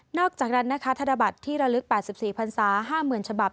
อกจากนั้นนะคะธนบัตรที่ระลึก๘๔พันศา๕๐๐๐ฉบับ